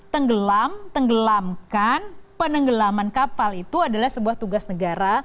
tenggelam tenggelamkan penenggelaman kapal itu adalah sebuah tugas negara